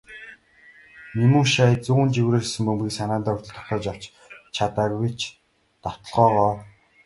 Мемушай зүүн жигүүрээс ирсэн бөмбөгийг санаандаа хүртэл тогтоож авч чадаагүй ч довтолгоогоо үргэлжлүүллээ.